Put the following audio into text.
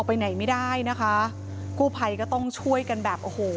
ไปไหนไม่ได้นะคะกู้ภัยก็ต้องช่วยกันแบบโอ้โห